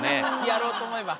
やろうと思えば。